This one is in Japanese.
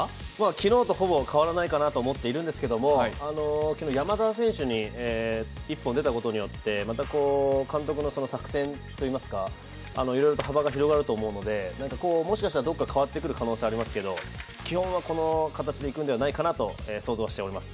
昨日とほぼ変わらないかなと思っているんですけども、山田選手に一本出たことによって監督の作戦がいろいろと幅が広がると思うので、もしかしたらどこか変わってくるかもしれないですけど基本はこの形でいくのではないかなと想像はしています。